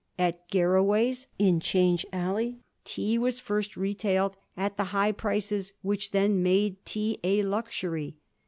At Garraway's, in Change Alley, tea was first retailed st the high prices which then made tea a luxury.